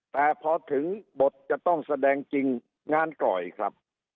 แต่พอถึงบทจะต้องแสดงจริงงานกล่อยครับ